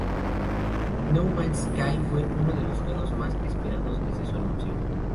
No Man's Sky fue uno de los juegos más esperados desde su anuncio.